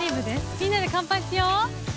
みんなで乾杯しよう。